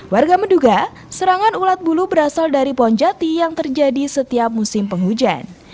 warga menduga serangan ulat bulu berasal dari pohon jati yang terjadi setiap musim penghujan